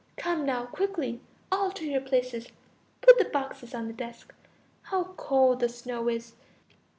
Come now, quickly; all to your places. Put the boxes on the desk. How cold the snow is!